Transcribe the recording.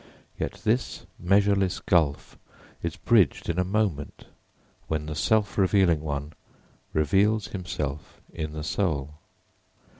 Yet this measureless gulf is bridged in a moment when the self revealing one reveals himself in the soul.